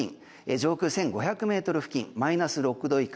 上空１５００ｍ付近マイナス６度以下。